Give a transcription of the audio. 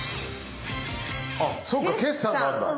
あそっか決算があるんだ。